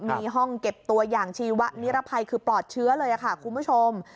มีห้องเก็บตัวอย่างชีวะนิรภัยคือปลอดเชื้อเลยค่ะคุณผู้ชม